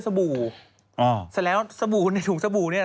เสร็จแล้วในถุงสบู่เนี่ย